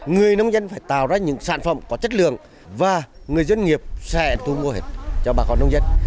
người nông dân phải tạo ra những sản phẩm có chất lượng và người dân nghiệp sẽ thu mua hết cho bà con nông dân